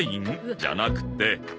じゃなくて。